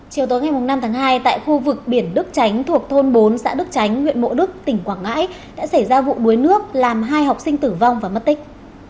chiều tối ngày năm tháng hai tại khu vực biển đức tránh thuộc thôn bốn xã đức tránh huyện mộ đức tỉnh quảng ngãi đã xảy ra vụ đuối nước làm hai học sinh tử vong và mất tích